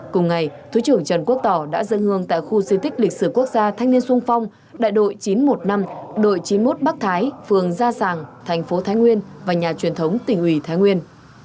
cùng ngày thứ trưởng trần quốc tỏ đã dâng hương tại khu di tích lịch sử quốc gia thanh niên sung phong đại đội chín trăm một mươi năm đội chín mươi một bắc thái phường gia sàng thành phố thái nguyên và nhà truyền thống tỉnh ủy thái nguyên